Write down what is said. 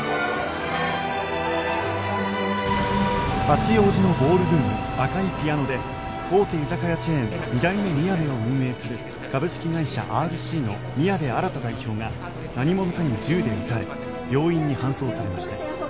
「八王子のＢａｌｌＲｏｏｍ赤いピアノで大手居酒屋チェーン二代目みやべを運営する株式会社ＲＣの宮部新代表が何者かに銃で撃たれ病院に搬送されました」